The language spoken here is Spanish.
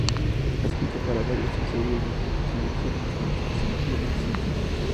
Ha escrito para varias series de televisión entre las que se incluyen Los Simpson.